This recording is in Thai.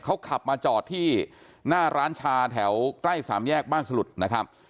เขาขับมาจอดที่หน้าร้านชาแถวใกล้สามแยกบ้านสลุดนะครับ